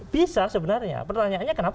bisa sebenarnya pertanyaannya kenapa